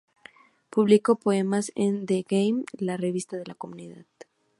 Publicó poemas en "The Game", la revista de la comunidad.